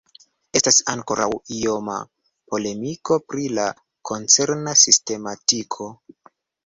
Estas ankoraŭ ioma polemiko pri la koncerna sistematiko.